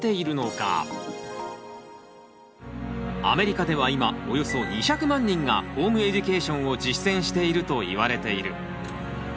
アメリカでは今およそ２００万人がホームエデュケーションを実践しているといわれている。